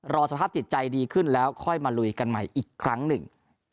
สภาพจิตใจดีขึ้นแล้วค่อยมาลุยกันใหม่อีกครั้งหนึ่ง